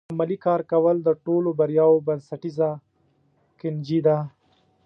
عملي کار کول د ټولو بریاوو بنسټیزه کنجي ده.